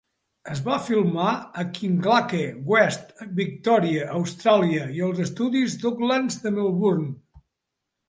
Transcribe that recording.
Es va filmar a Kinglake West, Victòria, Austràlia, i als estudis Docklands de Melbourne.